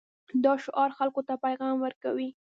دا شعار خلکو ته پیغام ورکوي.